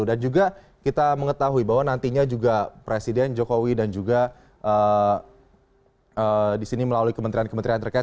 dan juga kita mengetahui bahwa nantinya juga presiden jokowi dan juga di sini melalui kementerian kementerian terkait